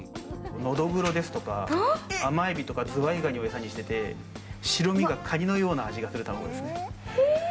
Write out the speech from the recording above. ノドグロですとか、甘えびですとかズワイガニを餌にしてて、白身がかにのような味がする卵ですね。